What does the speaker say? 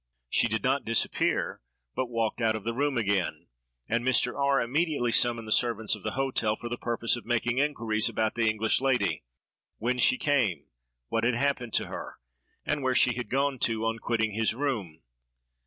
She did not disappear, but walked out of the room again, and Mr. R—— immediately summoned the servants of the hotel, for the purpose of making inquiries about the English lady—when she came, what had happened to her, and where she had gone to, on quitting his room?